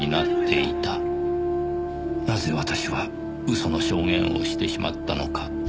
「なぜ私は嘘の証言をしてしまったのか」